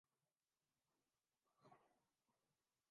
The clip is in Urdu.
مارک مارکوئز نے جرمنی گران پری موٹو جی پی ریس جیت لی